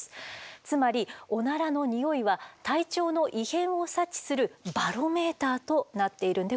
つまりオナラのにおいは体調の異変を察知するバロメーターとなっているんでございます。